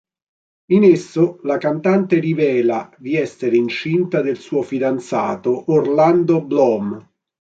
In esso la cantante rivela di essere incinta del suo fidanzato Orlando Bloom.